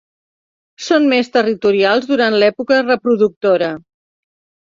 Són més territorials durant l'època reproductora.